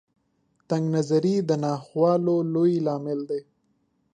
تنګ نظري د ناخوالو لوی لامل دی.